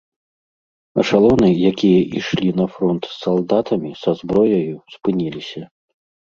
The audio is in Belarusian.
Эшалоны, якія ішлі на фронт з салдатамі, са зброяю, спыніліся.